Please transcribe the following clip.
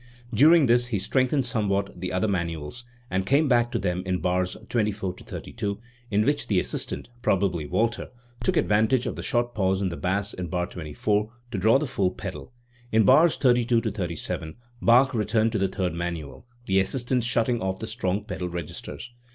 During this he strengthened somewhat the other manuals, and came back to them in bars 24 32, in which the assistant probably Walther, took advantage of the short pause in the bass in bar 24 to draw the full pedal. In bars 32 37 Bach returned to the third manual, the assistant shutting off the strong pedal registers.